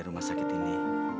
itukah kisah ibu nanti